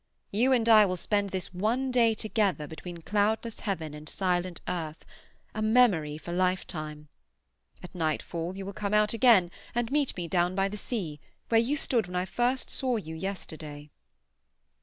You and I will spend this one day together between cloudless heaven and silent earth—a memory for lifetime. At nightfall you will come out again, and meet me down by the sea, where you stood when I first saw you yesterday."